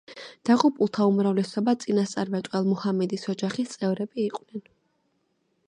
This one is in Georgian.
დაღუპულთა უმრავლესობა წინასწარმეტყველ მუჰამედის ოჯახის წევრები იყვნენ.